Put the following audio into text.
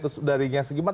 terus darinya segimana